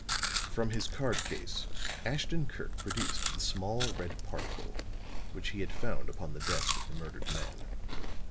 From his card case, Ashton Kirk produced the small red particle which he had found upon the desk of the murdered man.